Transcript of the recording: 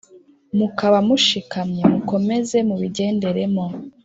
mukaba mushikamye mukomeze mubigenderemo,